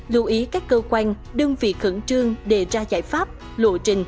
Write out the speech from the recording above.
xin chào quý vị và hẹn gặp lại